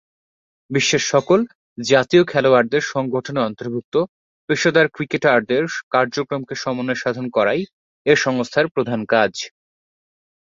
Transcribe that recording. বিশ্বের সকল জাতীয় খেলোয়াড়দের সংগঠনে অন্তর্ভুক্ত পেশাদার ক্রিকেটারদের কার্যক্রমকে সমন্বয় সাধন করাই এ সংস্থার প্রধান কাজ।